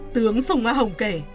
tướng sùng a hồng kể